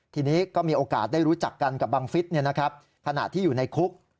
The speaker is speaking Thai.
ทีนี้ก็มีโอกาสได้รู้จักกันกับบังฟิศขณะที่อยู่ในคุก